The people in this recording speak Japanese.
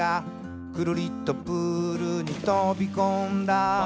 「クルリとプールにとびこんだ」